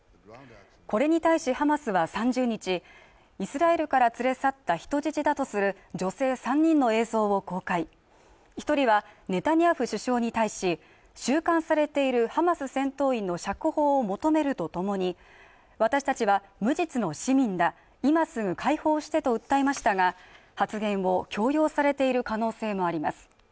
これに対しハマスは３０日イスラエルから連れ去った人質だとする女性３人の映像を公開一人はネタニヤフ首相に対し収監されているハマス戦闘員の釈放を求めるとともに私たちは無実の市民だ今すぐ解放してと訴えましたが発言を強要されている可能性もあります